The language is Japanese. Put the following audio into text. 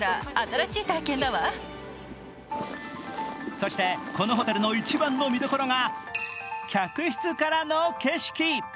そして、このホテルの一番の見どころが、客室からの景色。